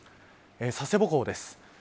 佐世保港です。